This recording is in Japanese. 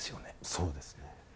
そうですね。